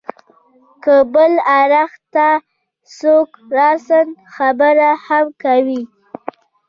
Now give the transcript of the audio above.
که بل اړخ ته څوک راسا خبره هم کوي.